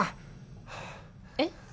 えっ？